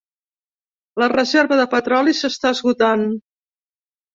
La reserva de petroli s'està esgotant.